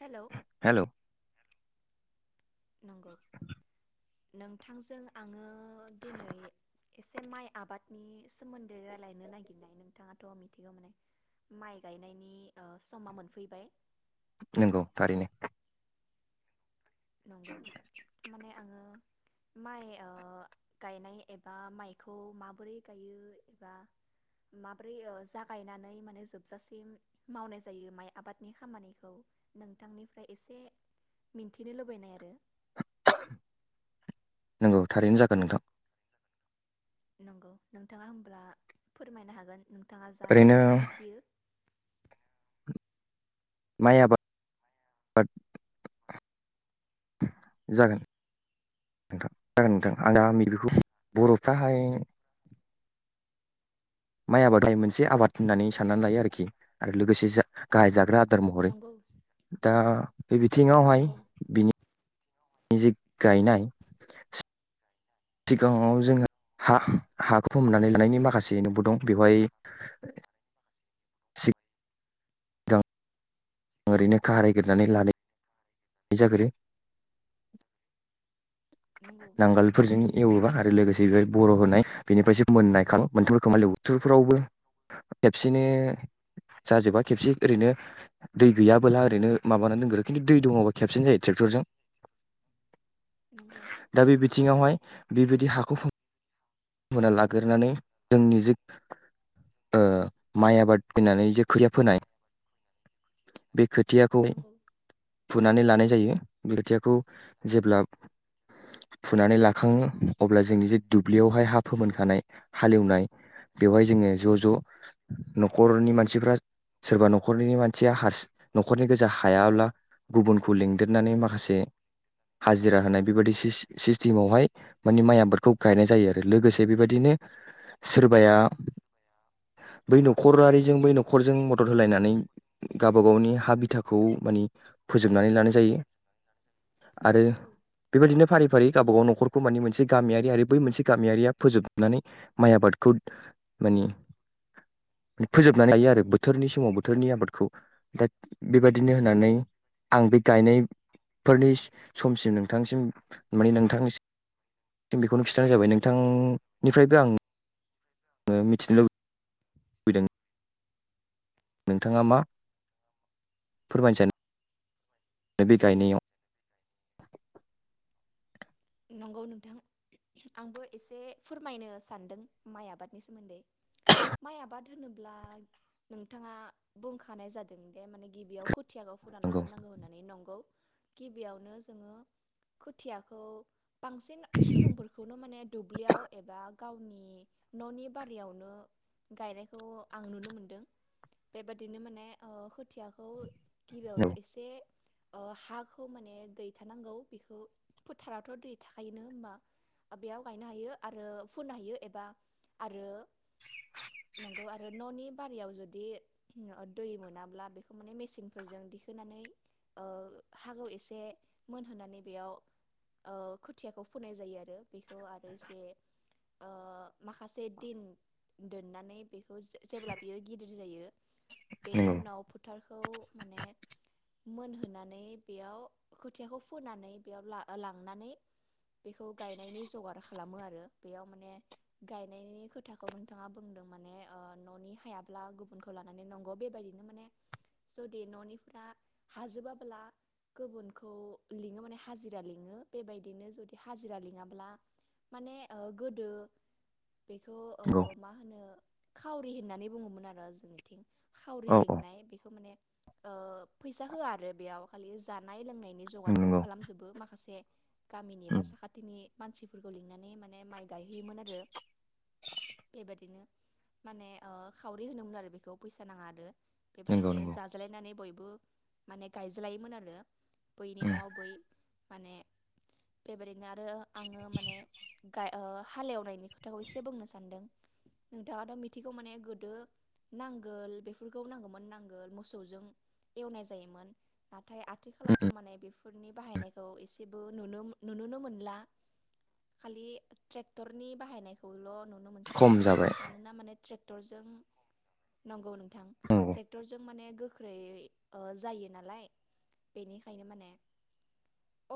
हेल' hello नंगौ नोंथांजों आङो दिनै एसे माइ आबादनि सोमोन्दै रायजलायनो नागिरनाय नोंथाङाथ' मिथिगौ माने माइ गायनायनि समा मोनफैबाय नंगौ थारैनो नंगौ माने आङो माइ ओ गायनाय एबा माइखौ माबोरै गायो एबा माबोरै ओ जागायनानै माने जोबजासिम मावनाय जायो माइ आबादनि खामानिखौ नोंथांनिफ्राय एसे मिन थिनो लुबैनाय आरो नंगौ थारैनो जागोन नोंथां नंगौ नोंथाङा होब्ला फोरमायनो हागोन नों बिथाङा जा ओरैनो मिथियो माय आबाद जागोन नोंथां जागोन नोंथां आं दा मायज्लिखौ बरफ्राहाय माइ आबादखौ मोनसे आबाद होननानै साननानै लायो आरोखि आरो लोगोसे जा गाहाय जाग्रा आदार महरै नंगौ दा बे बिथिङावहाय नंगौ बिनि जि गायनाय सिगाङाव जोङो हा हाखौ फोमोनानै लानायनि माखासे नेमबो दं बेवहाय जों ओरैनो खारायग्रोनानै लायो [unintelligible] नंगौ नांगोलफोरजों एवोबा आरो लोगोसे [unintelligible] नंगौ दा बे बिथिङावहाय बेबायदि हाखौ फोमोनना लाग्रोनानै जोंनि जे ओ माइ आबाद फोनानै जे खोथिया फोनाय बे खोथियाखौ नंगौ फुनानै लानाय जायो बे थियाखौ जेब्ला फुनानै लाखाङो अब्ला जोंनि जे दुब्लियावहाय हा फोमोनखानाय हालेवनाय बेवहाय जोङो ज ज नखरनि मानसिफ्रा सोरबा नखरनि मानसिया हारसिं नखरनि गोजा हायाब्ला गुबुनखौ लिंदेरनानै माखासे हाजिरा होनाय बेबायदि सिस सिस्टेमावहाय माने माइ आबादखौ गायनाय जायो आरो लोगोसे बेबायदिनो सोरबाया बै नखरारिजों बै नखरजों मदद होलायनानै गावबा गावनि हा बिथाखौ मानि फोजोबनानै लानाय जायो आरो नंगौ बेबायदिनो फारि फारि गावबा गाव नखरखौ माने मोनसे गामियारि आरो बै मोनसे गामियारिया फोजोबनानै माइ आबादखौ मानि फोजोबनानै लायो आरो बोथोरनि समाव बोथोरनि आबादखौ दा बेबायदिनो होननानै आं बे गायनायफोरनि समसिम नों नोंथांसिम माने नोंथांनिसिम बेखौनो खिन्थानाय जाबाय नोंथांनिफ्रायबो आं ओ मिथिनो लुबै लुबैदों नोंथाङा मा फोरमायनोसानो बे गायनायाव नंगौ नोंथां आंबो एसे फोरमायनो सानदों माइ आबादनि सोमोन्दै माइ आबाद होनोब्ला नोंथाङा बुंखानाय जादों बे माने गिबियाव खोथियाखौ फुना नंगौ लाग्रोनांगौ होननानै नंगौ गिबियावनो जोङो खोथियाखौ बांसिन सुबुंफोरखौनो माने दुब्लियाव एबा गावनि ननि बारियावनो गायनायखौ आं नुनो मोनदों बेबादिनो माने ओ खोथियाखौ गिबियावनो नंगौ एसे ओ हाखौ माने दै थानांगौ बेखौ फोथारा थ दै थाखायोनो होमबा ओ बेयाव गायनो हायो आरो फुनो हायो एबा आरो नंगौ आरो ननि बारियाव जुदि दै मोनाब्ला बेखौ माने मेसिनफोरजों दिखोनानै ओ हाखौ एसे मोनहोनानै बेयाव ओ खोथियाखौ फोननाय जायो आरो बेखौ आरो एसे ओ माखासे दिन दोननानै बेखौ जे जेब्ला बेयो गिदिर जायो बेनि नंगौ उनाव फोथारखौ माने मोनहोनानै बेयाव खोथियाखौ फुनानै बेयाव ला लां लांनानै बेखौ गायनायनि जगार खालामो आरो बेयाव माने गायनायनि खोथाखौ नोंथाङा बुंदों माने ननि हायाब्ला गुबुनखौ लानानै नंगौ बेबायदिनो माने जुदि ननिफोरा हाजोबाब्ला गुबुनखौ लिङो माने हाजिरा लिङो बेबायदिनो जुदि हाजिरा लिङाब्ला माने ओ गोदो बेखौ ओ नंगौ मा होनो खावरि होननानै बुङोमोन आरो जोंनिथिं। खावरि औ औ लिंनाय बेखौ माने ओ फैसा होआ आरो बेयाव खालि जानाय लोंनाय नि जगारखौ नंगौ खालामजोबो माखासे गामिनि बा उम साखाथिनि मानसिफोरखौ लिंनानै माने माइ गायहैयोमोन आरो बेबायदिनो माने ओ खावरि होनोमोन आरो बेखौ फैसा नाङा आरो नंगौ बेबायदिनो नंगौ जाज्लायनानै बयबो माने गायज्लायोमोन आरो बैनि उम न'आव बै माने बेबायदिनो आरो आङो माने गा ओ हालेवनायनि खोथाखौ एसे बुंनो सान्दों नोंथाङाथ' मिनथिगौ माने गोदो नांगोल बेफोरखौ नांगौमोन नांगोल मोसौजों एवनाय जायोमोन नाथाय आथिखालावथ' माने बेफोरनि बाहायनायखौ एसे बो नुनो नुनोनो मोनला खालि ट्रेक्टरनि बाहायनायखौल' नु नो मोनसै खम जाबाय मानोना माने ट्रे क्टरजों नंगौ नोंथां नंगौ टेक्टरजों माने गोख्रैयै ओ जायो नालाय बेनिखायनो माने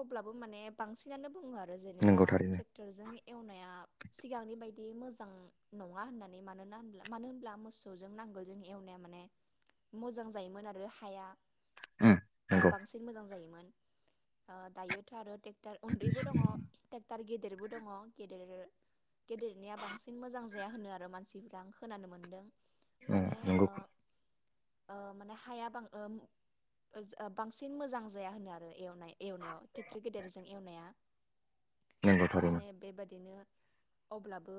अब्लाबो माने बांसिनानो बुङो आर रो जेनेबा नंगौ थारैनो ट्रेक्टरजों एवनाया सिगांनि बायदि बिदि मोजां नङा होननानै मानोना होनब्ला मानो होनब्ला मोसौजों नांगोलजों एवनाया माने मोजां जायोमोन आरो हाया उम ओ नंगौ बांसिन मोजां जायोमोन। ओ दायोथ' आरो टेक्टार उन्दैबो दङ' टेक्टार गेदेरबो दङ' गेदेर गेदेरनिया बांसिन मोजां जाया होनो आरो मानसिफ्रा आं खोनानो मोनदों उम माने ओ नंगौ ओ माने हाया बां उम बांसिन मोजां जाया होनो आरो एवनाय एवनायाव ट्रेक्टर गेदेरजों एवनाया। नंगौ त' थारैनो माने बेबादि बिदिनो अब्लाबो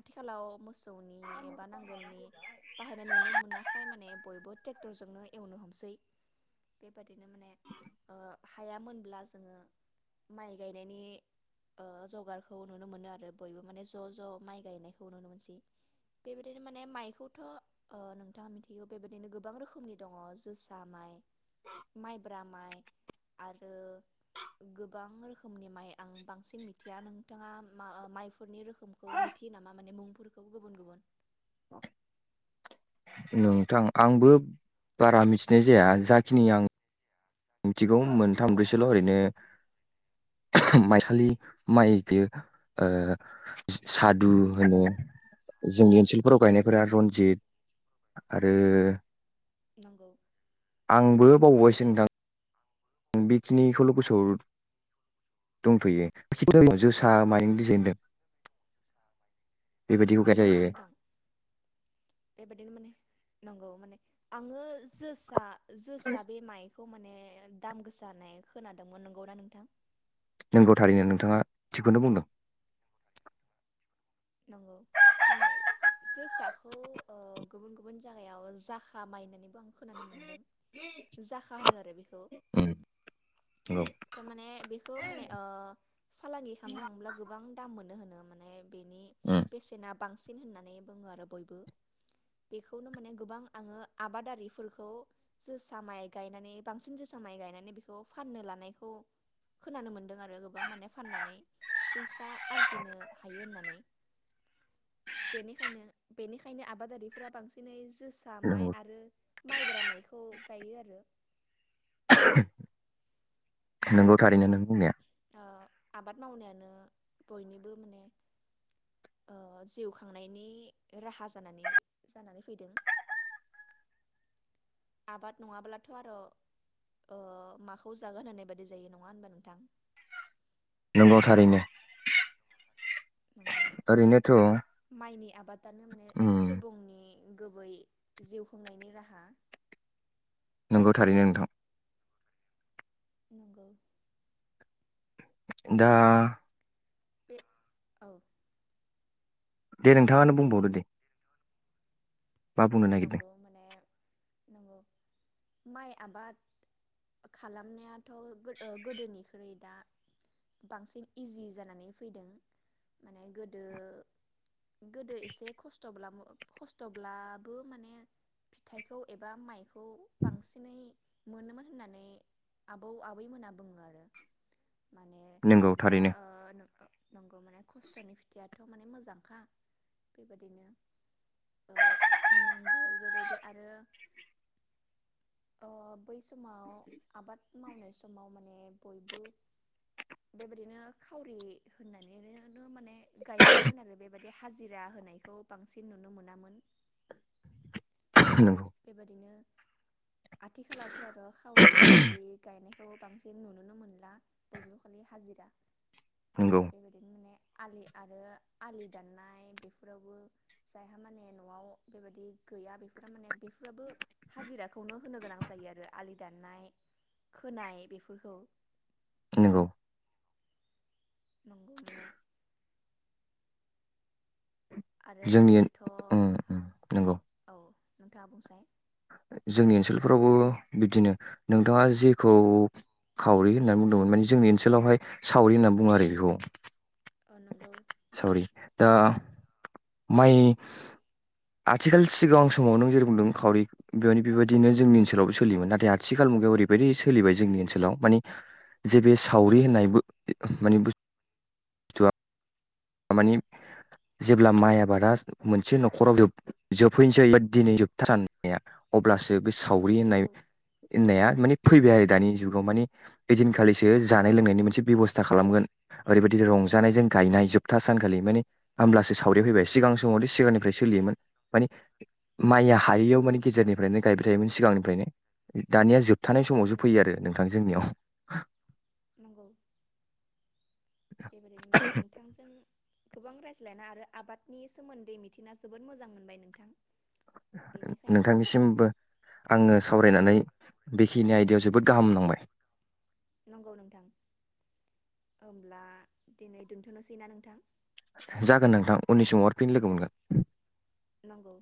आथिखालाव मोसौ [inaudible] ओमफाय माने बयबो ट्रेक्टरजोंनो एवनो हमसै बेबादिनो माने ओ हाया मोनब्ला जोङो माइ गायनायनि ओ जगारखौ नुनो मोनो आरो बयबो माने ज' ज' माइ गायनायखौ नुनो मोनसै बेबायदिनो माने माइखौथ' ओ नोंथाङा मिथिगौ बेबायदिनो गोबां रोखोमनि दङ' जोसा माइ माइब्रा माइ आरो गोबां रोखोमनि माइ आं बांसिन मिथिया नों नोंथाङा मा माइफोरनि रोखोमखौ मिथियो नामा माने मुंफोरखौ गुबुन गुबुन? नोंथां आंबो बारा मिथिनाय जाया जाखिनि आं मिथिगौ मोनथाम ब्रैसोल' ओरैनो माइसालि माइ [unintelligible] ओ सादु होनो जोंनि ओनसोलफोराव गायनायफोरा रन्जित आरो नंगौ आंबो बावबायसो [unintelligible] बेखिनिखौल' गोसोआव दंथ'यो [unintelligible] जोसा औ मानि [unintelligible] नंगौ नोंथां बेबादिनो माने नंगौ माने आङो जोसा जोसा बे माइ खौ माने दाम गोसा होननाय खोनादोंमोन नंगौ ना नोंथां? नोंगौ थारैनो नोंथाङा थिगखौनो बुंदों। नंगौ माने जोसाखौ ओ गुबुन गुबुन जागायाव जाखा मायनानैबो आं खोनानो मोनदों जाखा होनो आरो बेखौ उम नंगौ त' माने बेखौ माने ओ फालांगि खालामनो हांब्ला गोबां दाम मोनो होनोमोन। बेनो उम बेसेनाब बांसिन होननानै बुङो आरो बयबो बेखौनो माने गोबां आङो आबादारिफोरखौ जोसा माइ गायनानै बांसिन जोसा माइ गायनानै बेखौ फाननो लानायखौ खोनानो मोन्दों आरो गोबां माने फाननानै फैसा आरजिनो हायो होननानै। बेनिखायनो बेनिखायनो आबादारिफोरा बांसिनै जोसा माइ नंगौ आरो माइब्रा माइखौ गायो आरो। [unintelligible] नोंगौ थारैनो बेबादिनो नों बुंनाया। ओ आबाद मावनायानो बयनिबो माने ओ जिउ खांनायनि राहा जानानै जानानै फैदों। आबाद नङाब्लाथ' आर' माखौ जागोन होननाय बादि जायो नङा होनबा नोंथां? नंगौ थारैनो। ओरैनोथ' माइनि आबादानो माने उम सुबुंनि गुबै जिउ खुंनायनि राहा। नंगौ थारैनो नोंथां। नंगौ। दा बे औ। दे नोंथाङानो बुंबावदो दे। मा बुंनो नागिरदों नंगौ माने माइ आबाद खालामनायाथ' गोदोनिख्रुइ दा बांसिन इजि जानानै फैदों माने गोदो गोदो एसे खस्थ'ब्ला खस्थ'ब्ला बो माने फिथाइखौ एबा माइखौ बांसिनै मोनोमोन होननानै आबौ आबैमोना बुङो आरो। माने नंगौ जा थारैनो ओ नंगौ माने खिथियाथ' माने मोजांखा बेबादिनो ओ नांगो बेबायदि आरो बै अ समाव आबाद मावनाय समाव माने बयबो बेबायदिनो खावरि होननानैनो माने गायज्लायोमोन आरो बेबायदि हाजिरा होनायखौ बांसिन नुनो मोनामोन। नंगौ बेबायादिनो आथिखालाावथ' आरो खावरि बेबायदि गायनाय थ' बांसिन नुुनोनो मोनला बयबो खालि हाजिरा नंगौ बेबायदिनो माने आलि आरो आलि दाननाय बेफोरावबो जायहा माने न'आव बेबायदि गैया बेफोर माने बेफोराबो हाजिराखौनो होनो गोनां जायो आरो आलि दाननाय खोनाय बेफोरखौ। नोंगौ। नंगौ माने आरो जोंनि गोदोथ' उम उम नंगौ औ नोंथाङा बुंसाय। जोंनि ओनसोलफोरावबो बिदिनो नोंथाङा जेखौ खावरि होननानै बुंदोंमोन माने जोंनि ओनसोलावहाय सावरि होननानै बुङो आरो इखौ। अ नंगौ। दा माइ आथिखाल सिगां समाव नों जेरै बुंदों खावरि बेयावनो बेबायदिनो जोंनि ओनसोलावबो सोलियोमोन नाथाय आथिखाल मुगायाव ओरैबायदि सोलिबाय जोंनि ओनसोलाव मानि जे बे सावरि होननायबो माने बु मानि जेब्ला माइ आबादा मोनसे नखराव जोब-जोबहैनोसै दिनै जोबथारा नाया अब्लासो बे-बे सावरि नंगौ होननाय-होननाया माने फैबाय आरो दानि जुगाव मानि ओइदिनखालिसो जानाय लोंनायनि मोनसे बेबस्था खालामगोन ओरैबायदि रंजानायजों गायनाय जोब- था सानखालि माने होमब्लासो सावरिया फैबाय सिगां समावले सिगांनिफ्राय सोलियोमोन माने माइया हायैयाव मानि गेजेरनिफ्रायनो गायबाय थायोमोन सिगांनिफ्रायनो दानिया जोब- थानाय समावसो नंगौ फैयो आरो नोंथां जोंनियाव [inaudible] नंगौ बेबायदिनो माने नोंथांजों गोबां रायज्लायना आरो आबादनि सोमोन्दै मिथिना जोबोद मोजां मोनबाय नोंथां बेनिखायनो नोंथांनिसिमबो आङो नंगौ सावरायनानै बेखिनि आयदायाव जोबोद गाहाम नांबाय [inaudible] नंगौ नोंथां हमब्ला दिनै दोनथनोसैना नोंथां जागोन नोंथां उननि समाव आरोफिन लोगो मोनगोन नंगौ